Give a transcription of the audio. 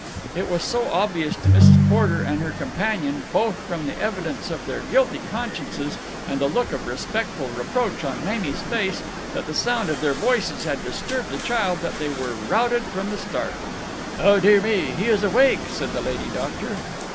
It was so obvious to Mrs. Porter and her companion, both from the evidence of their guilty consciences and the look of respectful reproach on Mamie's face, that the sound of their voices had disturbed the child, that they were routed from the start. "Oh, dear me! He is awake," said the lady doctor.